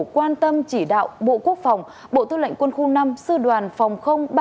quan tâm chỉ đạo bộ quốc phòng bộ thư lệnh quân khu năm sư đoàn phòng ba trăm bảy mươi hai